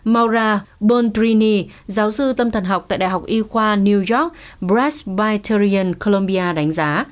maura bondrini giáo sư tâm thần học tại đại học y khoa new york breast bacterian columbia đánh giá